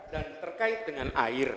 dan terkait dengan air